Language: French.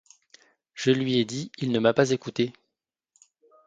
Je lui ai dit, il ne m’a pas écouté.